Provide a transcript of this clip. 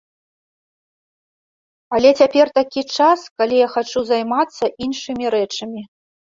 Але цяпер такі час, калі я хачу займацца іншымі рэчамі.